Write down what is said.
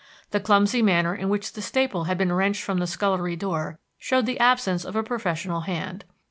The clumsy manner in which the staple had been wrenched from the scullery door showed the absence of a professional hand.